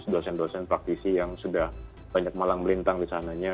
dosen dosen praktisi yang sudah banyak malang melintang di sananya